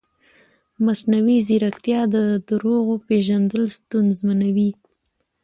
مصنوعي ځیرکتیا د دروغو پېژندل ستونزمنوي.